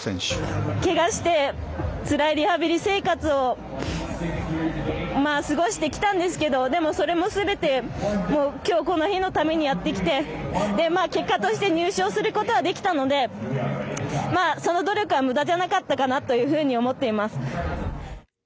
けがしてつらいリハビリ生活を過ごしてきたんですけどでも、それもすべてきょうこの日のためにやってきてまあ結果として入賞することはできたのでその努力はむだじゃなかったかなというふうに思っています。